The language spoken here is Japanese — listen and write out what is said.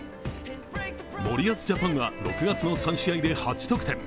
森保ジャパンは６月の３試合で８得点。